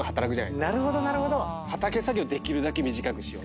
畑作業できるだけ短くしよう。